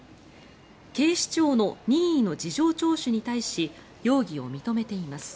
警視庁の任意の事情聴取に対し容疑を認めています。